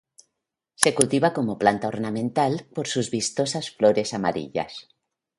Se cultiva como planta ornamental por sus vistosas flores amarillas.